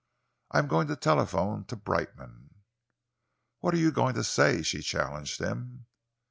I am going to telephone to Brightman." "What are you going to say?" she challenged him.